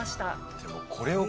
でもこれを。